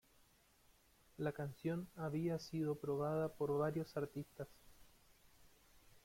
La canción había sido probada por varios artistas.